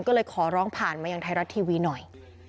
ก็เลยขอร้องผ่านมายังไทยรัฐทีวีหน่อย